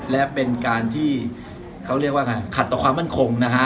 และเป็นการที่เขาเรียกว่าไงขัดต่อความมั่นคงนะฮะ